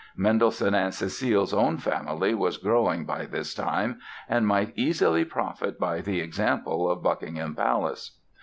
Mendelssohn and Cécile's own family was growing by this time and might easily profit by the example of Buckingham Palace.